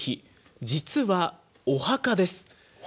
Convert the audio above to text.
実は、お墓です。